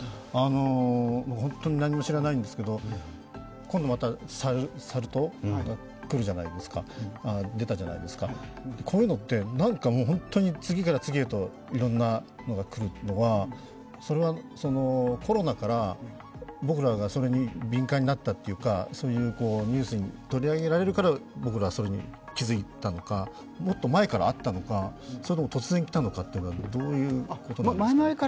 本当に何も知らないんですけど、今度、サル痘が出たじゃないですかこういうのって、何か次から次へといろんなものがくるのは、コロナから僕らがそれに敏感になったというかニュースに取り上げられるから僕らはそれに気づいたのかもっと前からあったのか、それとも突然来たのか、どういうことなんですか。